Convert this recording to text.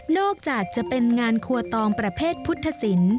นอกจากจะเป็นงานครัวตองประเพศพุทธสิน